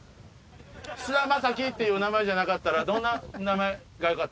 菅田将暉って名前じゃなかったらどんな名前がよかった？